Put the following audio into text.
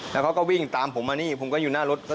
แล้วเขาก็วิ่งตามผมมานี่ผมก็อยู่หน้ารถ